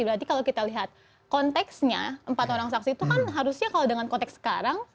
berarti kalau kita lihat konteksnya empat orang saksi itu kan harusnya kalau dengan konteks sekarang